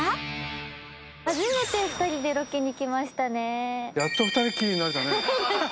初めて２人でロケに来ましたね。